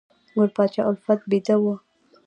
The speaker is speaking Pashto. ګل پاچا الفت بیده و